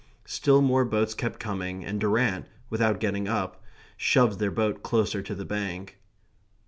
Still more boats kept coming, and Durrant, without getting up, shoved their boat closer to the bank.